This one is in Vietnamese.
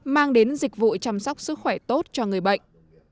mang đến dịch vụ chăm sóc sức khỏe tốt cho người bệnh